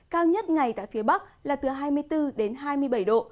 cao nhất ngày tại phía bắc là từ hai mươi bốn đến hai mươi bảy độ